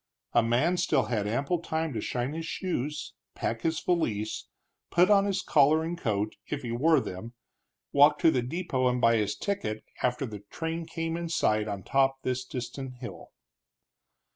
A man still had ample time to shine his shoes, pack his valise, put on his collar and coat if he wore them walk to the depot and buy his ticket, after the train came in sight on top of this distant hill.